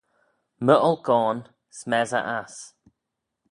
My olk ayn, smessey ass